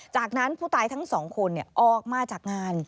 จากนั้นผู้ตายทั้งสองคนออกมาจากงาน